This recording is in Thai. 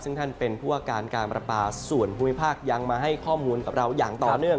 ซึ่งท่านเป็นผู้ว่าการการประปาส่วนภูมิภาคยังมาให้ข้อมูลกับเราอย่างต่อเนื่อง